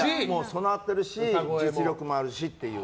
備わってるし実力もあるしっていう。